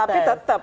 iya tapi tetap